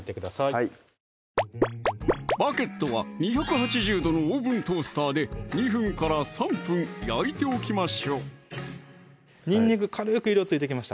はいバゲットは２８０℃のオーブントースターで２分３分焼いておきましょうにんにく軽く色ついてきました